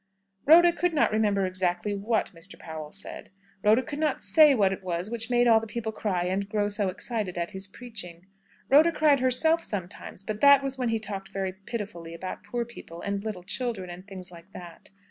Rhoda could not remember exactly what Mr. Powell said. Rhoda could not say what it was which made all the people cry and grow so excited at his preaching. Rhoda cried herself sometimes, but that was when he talked very pitifully about poor people, and little children, and things like that.